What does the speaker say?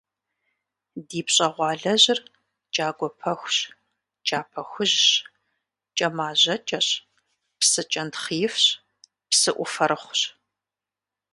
Ди пщӏэгъуалэжьыр кӏагуэ пахущ, кӏапэ хужьщ, кӏэмажьэкӏэщ, псы кӏэнтхъ ифщ, псыӏуфэрыхъущ.